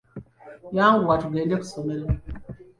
Yanguwa tugende ku ssomero.